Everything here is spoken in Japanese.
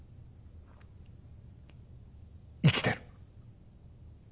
生きてる。